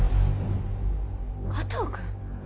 加藤君